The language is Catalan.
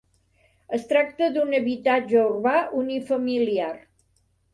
Es tracta d'un habitatge urbà unifamiliar.